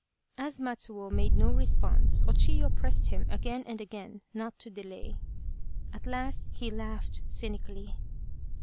As Matsuo made no response, O Chiyo pressed him again and again not to delay. At last he laughed cynically.